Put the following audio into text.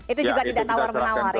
itu juga tidak tawar menawar